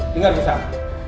dengar bu sarah